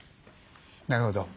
なるほど。